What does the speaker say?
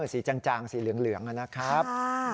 จางสีเหลืองนะครับ